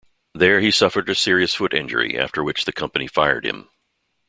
There he suffered a serious foot injury, after which the company fired him.